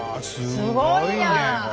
すごいや。